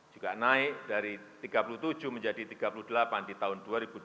juga naik dari tiga puluh tujuh menjadi tiga puluh delapan di tahun dua ribu dua puluh